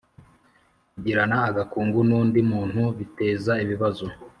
Kugirana agakungu n undi muntu biteza ibibazo